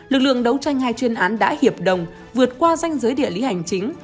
lực lượng đấu tranh hai chuyên án đã hiệp đồng vượt qua danh giới địa lý hành chính